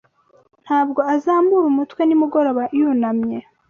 Ntabwo azamura umutwe nimugoroba yunamye;